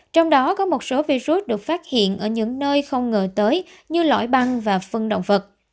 trong đó có một số virus được phát hiện ở những nơi không ngờ tới như lõi băng và phân động vật